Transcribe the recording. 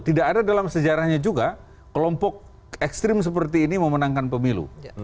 tidak ada dalam sejarahnya juga kelompok ekstrim seperti ini memenangkan pemilu